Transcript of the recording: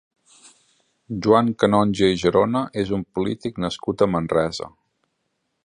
Joan Canongia i Gerona és un polític nascut a Manresa.